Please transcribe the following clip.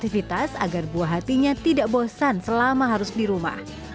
aktivitas agar buah hatinya tidak bosan selama harus di rumah